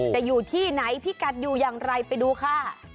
อยู่ที่ไหนพี่กัดอยู่อย่างไรไปดูค่ะ